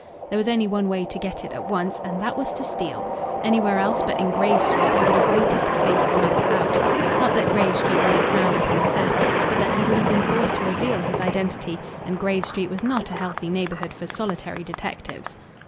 There was only one way to get it at once, and that was to steal. Anywhere else but in Grave Street he would have waited to face the matter out. Not that Grave Street would have frowned upon a theft, but that he would have been forced to reveal his identity, and Grave Street was not a healthy neighbourhood for solitary detectives.